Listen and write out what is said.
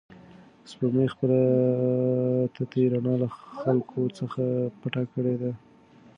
سپوږمۍ خپله تتې رڼا له خلکو څخه پټه کړې ده.